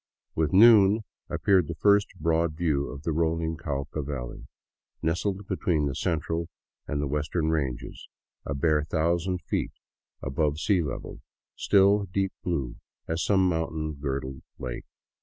With noon ap peared the first broad view of the rolling Cauca valley, nestled between the central and the western ranges, a bare thousand feet above sea level, still deep blue as some mountain girdled lake.